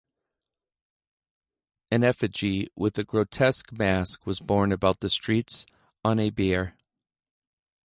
An effigy with a grotesque mask was borne about the streets on a bier.